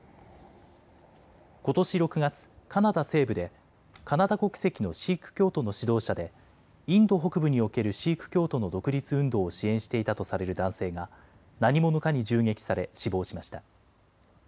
ことし６月、カナダ西部でカナダ国籍のシーク教徒の指導者でインド北部におけるシーク教徒の独立運動を支援していたとされる男性が何者かに銃撃され死亡しました。